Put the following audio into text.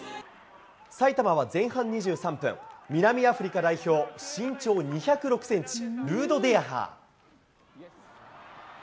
埼玉は前半２３分、南アフリカ代表、身長２０６センチ、ルード・デヤハー。